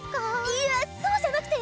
いやそうじゃなくて。